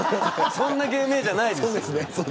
そんな芸名じゃないです。